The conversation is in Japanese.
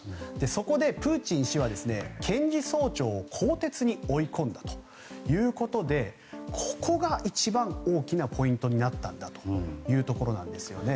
そこでプーチン氏は検事総長を更迭に追い込んだということでここが一番大きなポイントになったんだというところですね。